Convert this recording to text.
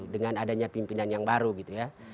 dengan adanya pimpinan yang baru gitu ya